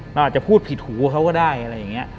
เราอาจจะพูดผิดหูเขาก็ได้อะไรอย่างนี้